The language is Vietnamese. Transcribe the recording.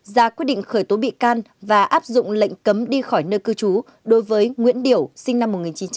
ra quyết định khởi tố bị can và áp dụng lệnh cấm đi khỏi nơi cư trú đối với nguyễn điểu sinh năm một nghìn chín trăm tám mươi